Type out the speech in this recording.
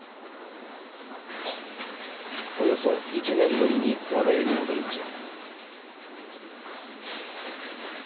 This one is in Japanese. およそ１年ぶりにわが家に戻りました。